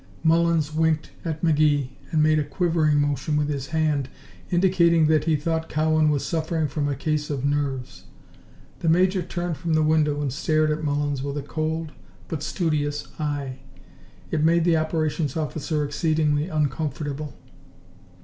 Mullins winked at McGee and made a quivering motion with his hand, indicating that he thought Cowan was suffering from a case of nerves. The Major turned from the window and stared at Mullins with a cold, but studious eye. It made the Operations officer exceedingly uncomfortable.